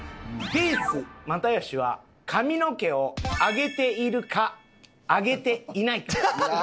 ピース又吉は髪の毛を上げているか上げていないか。